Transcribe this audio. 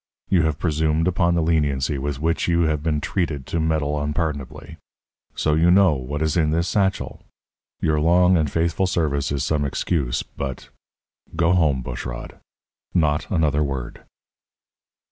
You have presumed upon the leniency with which you have been treated to meddle unpardonably. So you know what is in this satchel! Your long and faithful service is some excuse, but go home, Bushrod not another word!"